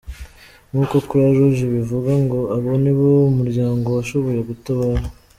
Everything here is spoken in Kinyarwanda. Nk’uko Croix rouge ibivuga ngo abo nibo uwo muryango washoboye gutabara.